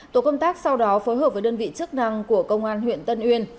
tổ công tác sau đó phối hợp với đơn vị chức năng của công an huyện tân uyên